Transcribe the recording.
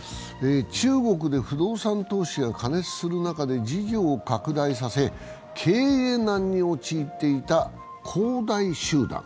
中国で不動産投資が過熱する中で事業を拡大させ経営難に陥っていた恒大集団。